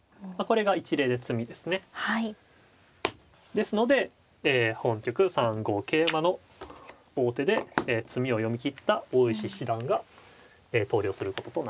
ですので本局３五桂馬の王手で詰みを読み切った大石七段が投了することとなりました。